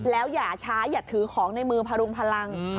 แล้วอย่าช้าอย่าถือของในมือพรุงพลัง